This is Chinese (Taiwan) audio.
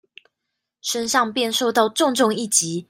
身上便受到重重一擊